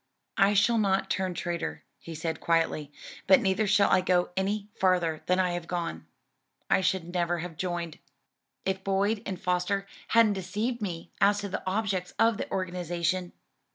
"I shall not turn traitor," he said quietly, "but neither shall I go any farther than I have gone. I should never have joined, if Boyd and Foster hadn't deceived me as to the objects of the organization."